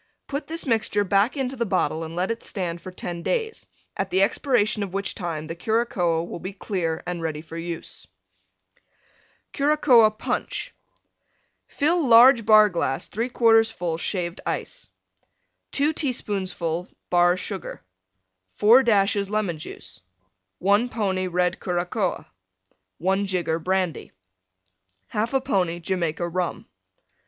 Put this mixture back into the bottle and let it stand for 10 days, at the expiration of which time the Curacoa will be clear and ready for use. CURACOA PUNCH Fill large Bar glass 3/4 full Shaved Ice. 2 teaspoonfuls Bar Sugar. 4 dashes Lemon Juice. 1 pony Red Curacoa. 1 jigger Brandy. 1/2 pony Jamaica Rum.